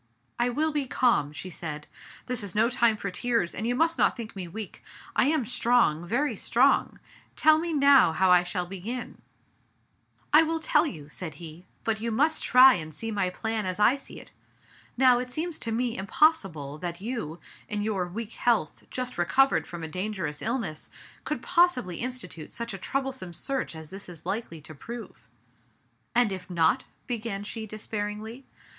"I will be calm,'* she said, ''this is no time for tears, and you must not think me weak. I am strong — very strong. Tell me now how I shall begin.'* "I will tell you," said he, "but you must try Digitized by Google MRS, HUNGERFORD, 189 and see my plan as I see it. Now, it seems to me impossible that you, in your weak health, just recovered from a dangerous illness, could possibly institute such a troublesome search as this is likely to prove." "And if not?" began she despairingly.